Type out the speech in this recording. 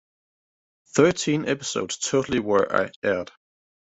Thirteen episodes total were aired.